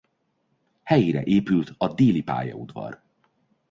Helyére épült a Déli pályaudvar.